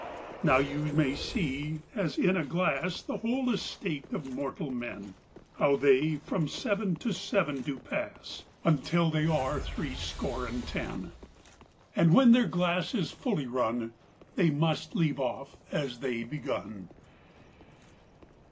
Now you may see, as in a glass, The whole estate of mortal men; How they from seven to seven do pass, Until they are threescore and ten; And when their glass is fully run, They must leave off as they begun.